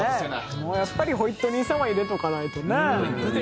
もうやっぱりホイットニーさんは入れておかないとね。